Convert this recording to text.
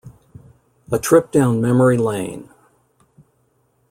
A trip down memory lane.